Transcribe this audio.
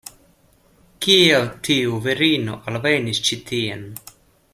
Kiel tiu virino alvenis ĉi-tien?